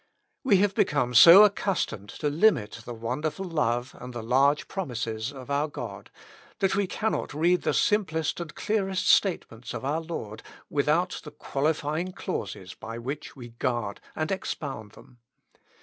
We have become so accustomed to limit the wonderful love and the large promises of our God, that we cannot read the simplest and clearest state ments of our Lord without the qualifying clauses by which we guard and expound them.